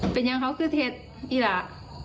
เป็นยังเขาคือเทศอีหร่า